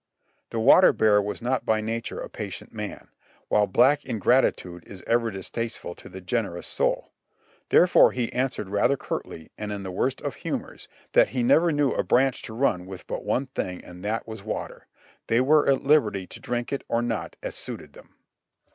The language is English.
The water bearer was not by nature a patient man, while black ingratitude is ever distasteful to the generous soul —• therefore he answered rather curtly, and in the worst of humors, that he never knew a branch to run with but one thing and that was water — they were at liberty to drink it or not as suited them.